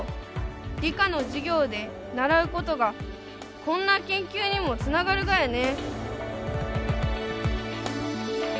理科の授業で習うことがこんな研究にもつながるがやね！